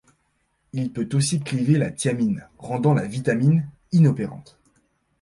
Le peut aussi cliver la thiamine, rendant la vitamine inopérante.